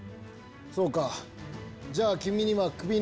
そうかじゃあ君にはクビに